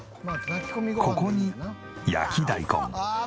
ここに焼き大根